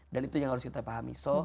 dan itu yang harus kita pahami